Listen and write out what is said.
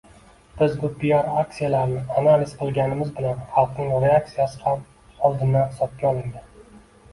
Biz bu piar aksiyalarni analiz qilganimiz bilan xalqning reaksiyasi ham oldindan hisobga olingan.